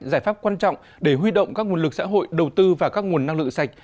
giải pháp quan trọng để huy động các nguồn lực xã hội đầu tư vào các nguồn năng lượng sạch